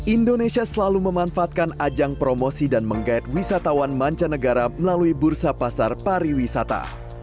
indonesia selalu memanfaatkan ajang promosi dan menggait wisatawan mancanegara melalui bursa pasar pariwisata